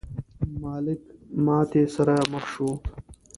مالک ماتې سره مخ شي.